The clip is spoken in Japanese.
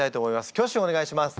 挙手をお願いします。